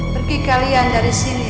pergi kalian dari sini